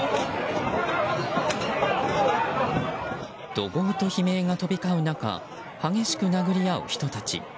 怒号と悲鳴が飛び交う中激しく殴り合う人たち。